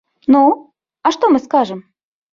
Ну, а што мы скажам?